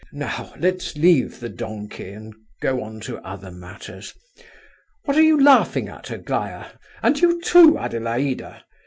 "Now let's leave the donkey and go on to other matters. What are you laughing at, Aglaya? and you too, Adelaida?